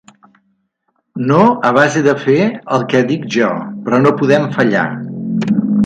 No a base de fer el què dic jo, però no podem fallar.